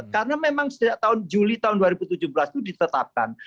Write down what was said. karena memang setiap tahun juli tahun dua ribu tujuh belas itu ditetapkan